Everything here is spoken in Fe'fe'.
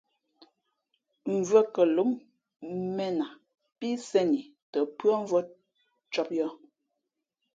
Mvʉ̄ᾱ kαlóm mēn a pí sēn i tα pʉ́άmvʉ̄ᾱ cōb yα̌h.